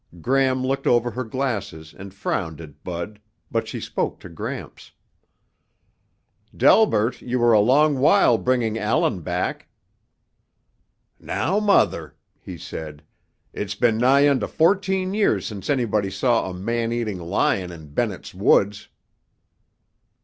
Gram looked over her glasses and frowned at Bud but she spoke to Gramps. "Delbert, you were a long while bringing Allan back." "Now, Mother," he said, "it's been nigh onto fourteen years since anybody saw a man eating lion in Bennett's Woods."